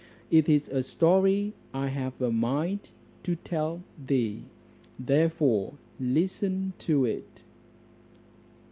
It is a story I have a mind to tell thee, therefore listen to it."